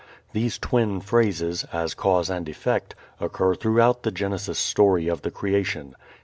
These twin phrases, as cause and effect, occur throughout the Genesis story of the creation.